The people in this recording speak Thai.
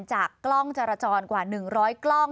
จากกล้องจรจรกว่า๑๐๐กล้อง